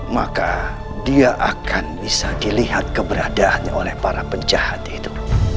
maka dia akan bisa dilihat keberadaannya oleh para penjahat itu